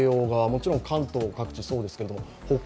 もちろん関東各地そうですけど